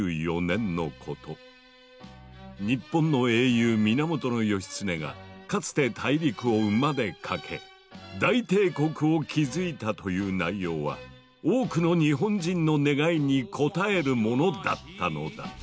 日本の英雄源義経がかつて大陸を馬で駆け大帝国を築いたという内容は多くの日本人の願いに応えるものだったのだ。